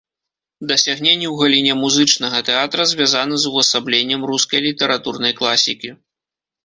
Дасягненні ў галіне музычнага тэатра звязаны з увасабленнем рускай літаратурнай класікі.